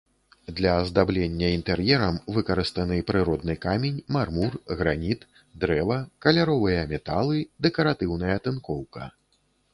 Для аздаблення інтэр'ерам выкарыстаны прыродны камень, мармур, граніт, дрэва, каляровыя металы, дэкаратыўная тынкоўка.